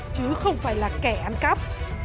chứ không phải là kẻ ăn cắp